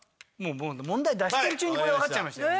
もう問題出してる中にこれわかっちゃいましたよ。